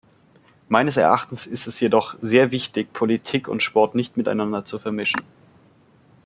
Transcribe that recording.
Meines Erachtens ist es jedoch sehr wichtig, Politik und Sport nicht miteinander zu vermischen.